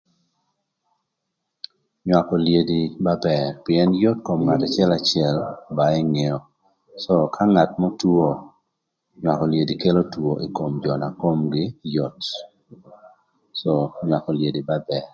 Nywakö olyedi ba bër pïën yot kom ka ngat acëlacël ba engeo, co ka ngat mörö two nywakö olyedi kelö two ï kom jö na komgï yot, co nywakö olyedi ba bër.